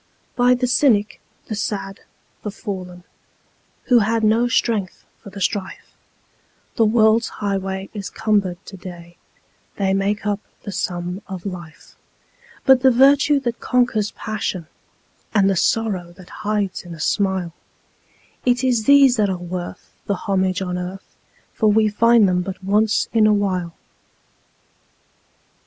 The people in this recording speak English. By the cynic, the sad, the fallen, Who had no strength for the strife, The world's highway is cumbered to day They make up the sum of life; But the virtue that conquers passion, And the sorrow that hides in a smile It is these that are worth the homage on earth, For we find them but once in a while.